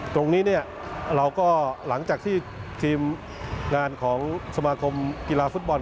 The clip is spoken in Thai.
ตรงนี้เนี่ยเราก็หลังจากที่ทีมงานของสมาคมกีฬาฟุตบอล